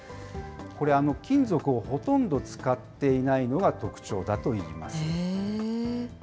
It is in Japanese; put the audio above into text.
これ、金属をほとんど使っていないのが特徴だといいます。